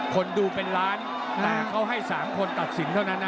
คนดูเป็นล้านแต่ทั้งคู่ให้๓คนตัดสินเท่านั้น